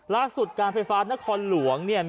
ลักษุทธิ์การไฟฟ้านครหลวงเนี่ย